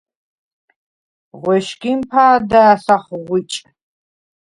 ღუ̂ეშგიმ ფა̄და̈ს ახღუ̂იჭ.